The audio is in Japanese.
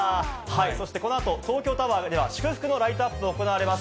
そしてこのあと、東京タワーでは祝福のライトアップが行われます。